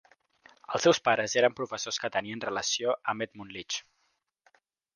Els seus pares eren professors que tenien relació amb Edmund Leach.